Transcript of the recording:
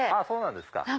そうなんですか。